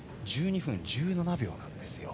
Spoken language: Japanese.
１２分１７秒なんですよ。